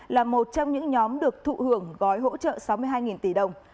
là một trong những nhóm được thụ hưởng gói hỗ trợ sáu mươi hai tỷ đồng